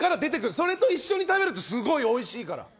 それと一緒に食べるとすごいおいしいから！